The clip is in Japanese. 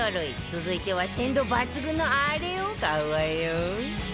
続いては鮮度抜群のあれを買うわよ